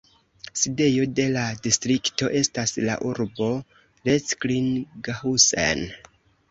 Sidejo de la distrikto estas la urbo Recklinghausen.